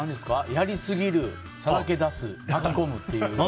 やりすぎる、さらけだすまきこむっていう。